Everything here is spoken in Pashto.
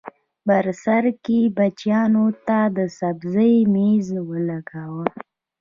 بر سر کې بچیانو ته د سبزۍ مېز ولګاوه